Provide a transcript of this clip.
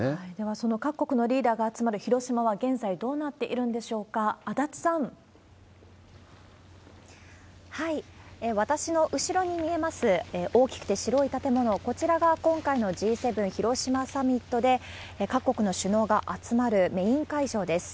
その各国のリーダーが集まる広島は、現在どうなっているんでしょうか、私の後ろに見えます大きくて白い建物、こちらが今回のＧ７広島サミットで、各国の首脳が集まるメイン会場です。